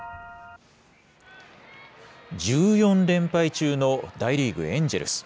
１４連敗中の大リーグ・エンジェルス。